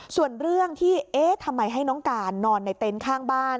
ส่วนเรื่องที่เอ๊ะทำไมให้น้องการนอนในเต็นต์ข้างบ้าน